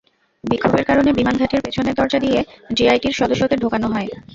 বিক্ষোভের কারণে বিমান ঘাঁটির পেছনের দরজা দিয়ে জেআইটির সদস্যদের ঢোকানো হয়।